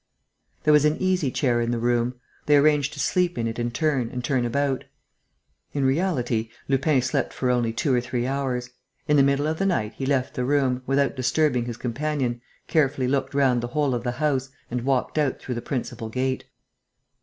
There was an easy chair in the room. They arranged to sleep in it turn and turn about. In reality, Lupin slept for only two or three hours. In the middle of the night he left the room, without disturbing his companion, carefully looked round the whole of the house and walked out through the principal gate.